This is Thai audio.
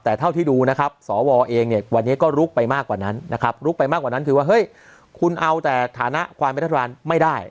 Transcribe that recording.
แต่เท่าที่ดูนะครับสวเองเนี่ยวันนี้ก็ลุกไปมากกว่านั้นนะครับลุกไปมากกว่านั้นคือว่าเฮ้ยคุณเอาแต่ฐานะความเป็นรัฐบาลไม่ได้